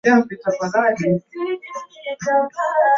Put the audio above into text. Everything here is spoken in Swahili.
na wananchi wote kwa kipindi cha miaka minne na anaweza kuchaguliwa